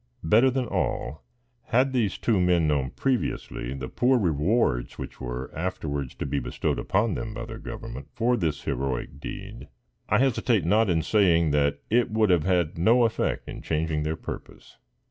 Better than all, had these two men known previously the poor rewards which were afterwards to be bestowed upon them by their government for this heroic deed, I hesitate not in saying, that it would have had no effect in changing their purpose.